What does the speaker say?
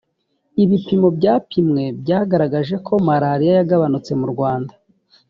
ibipimo byapimwe byagaragaje ko malariya yagarutse mu rwanda